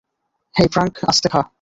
হেই, Frank, আস্তে খা।